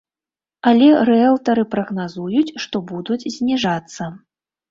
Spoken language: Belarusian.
Але рыэлтары прагназуюць, што будуць зніжацца.